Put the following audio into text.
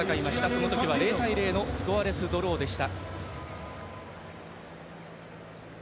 その時は０対０のスコアレスドローでした。